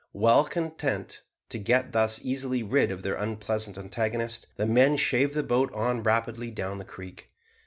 Well content to get thus easily rid of their unpleasant antagonist, the men shaved the boat on rapidly down the creek.